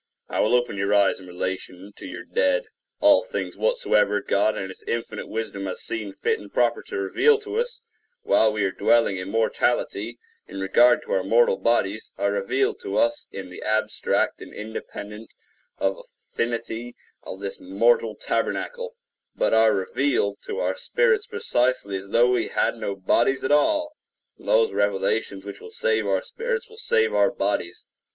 I will open your eyes in relation to your dead. All things whatsoever God in his infinite wisdom has seen fit and proper to reveal to us, while we are dwelling in mortality, in regard to our mortal bodies, are revealed to us in the abstract, and independent of affinity of this mortal tabernacle, but are revealed to our spirits precisely as though we had no bodies at all; and those revelations which will save our spirits will save our bodies.